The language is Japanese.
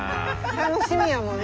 楽しみやもんね。